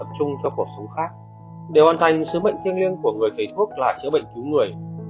để tập trung cho cuộc sống khác để hoàn thành sứ mệnh thiên liêng của người thầy thuốc là chữa bệnh cứu người